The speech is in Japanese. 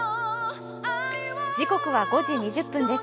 時刻は５時２０分です。